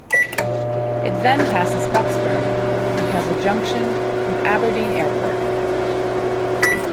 It then passes Bucksburn, and has a junction with Aberdeen Airport.